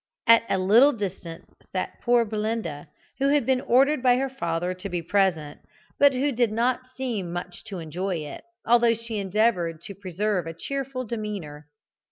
At a little distance sat poor Belinda, who had been ordered by her father to be present, but who did not seem much to enjoy it, although she endeavoured to preserve a cheerful demeanour.